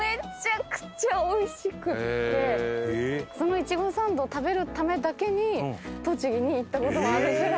その苺サンドを食べるためだけに栃木に行った事もあるぐらい。